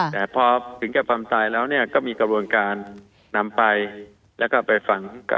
แต่พอถึงแก่ความตายแล้วเนี่ยก็มีกระบวนการนำไปแล้วก็ไปฝังอ่า